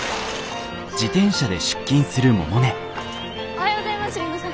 おはようございます里乃さん。